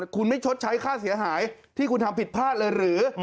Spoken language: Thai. คุณไม่ชดใช้ค่าเสียหายที่คุณทำผิดพลาดเลยหรือ